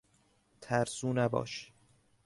ترسو نباش!